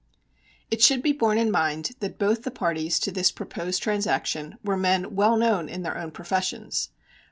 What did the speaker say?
It should be borne in mind that both the parties to this proposed transaction were men well known in their own professions.